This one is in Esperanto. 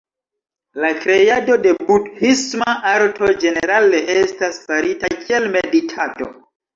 La kreado de budhisma arto ĝenerale estas farita kiel meditado.